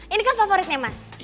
ini kan favoritnya mas